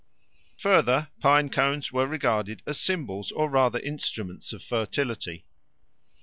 Further, pine cones were regarded as symbols or rather instruments of fertility.